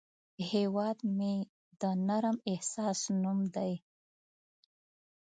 هیواد مې د نرم احساس نوم دی